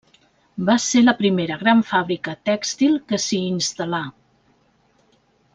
Va ser la primera gran fàbrica tèxtil que s'hi instal·là.